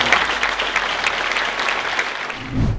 tepuk tangan bagi anda semua